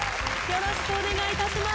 よろしくお願いします。